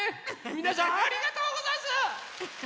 みなさんありがとうござんす！